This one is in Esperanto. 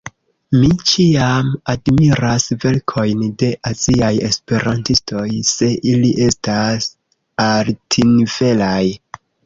Mi ĉiam admiras verkojn de aziaj esperantistoj, se ili estas altnivelaj.